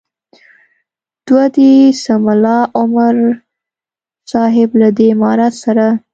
دوه دې سه ملا عمر صاحب له دې امارت سره.